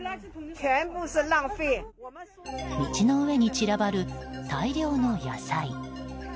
道の上に散らばる大量の野菜。